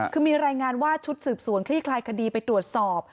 คือมีรายงานว่าชุดสืบสวนคลี่คลายคดีไปตรวจสอบ